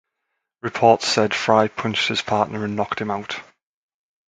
Reports said Fry punched his partner and knocked him out.